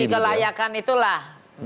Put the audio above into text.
membuat studi kelayakan itulah